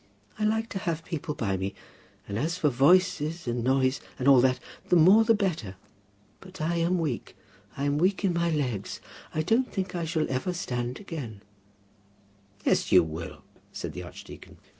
I like to have people by me; and as for voices, and noise, and all that, the more the better. But I am weak. I'm weak in my legs. I don't think I shall ever stand again." "Yes, you will," said the archdeacon.